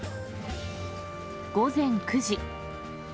午前９時。